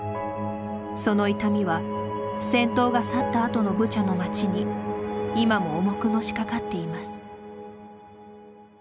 その痛みは、戦闘が去ったあとのブチャの町に今も重くのしかかっています。